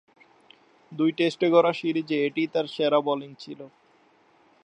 দুই টেস্টে গড়া সিরিজে এটিই তার সেরা বোলিং ছিল।